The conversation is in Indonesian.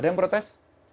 ada yang protes